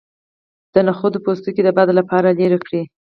د نخود پوستکی د باد لپاره لرې کړئ